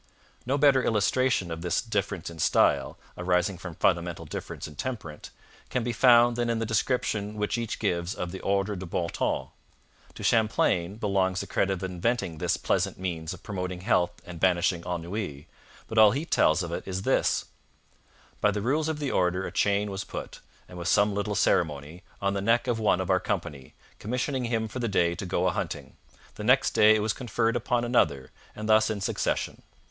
No better illustration of this difference in style, arising from fundamental difference in temperament, can be found than the description which each gives of the Ordre de Bon Temps. To Champlain belongs the credit of inventing this pleasant means of promoting health and banishing ennui, but all he tells of it is this: 'By the rules of the Order a chain was put, with some little ceremony, on the neck of one of our company, commissioning him for the day to go a hunting. The next day it was conferred upon another, and thus in succession.